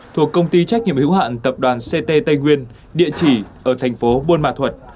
thuộc công ty trách nhiệm hữu hạn tập đoàn ct tây nguyên địa chỉ ở thành phố buôn ma thuật